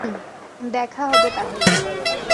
দেখা হবে তাহলে।